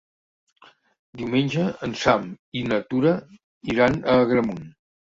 Diumenge en Sam i na Tura iran a Agramunt.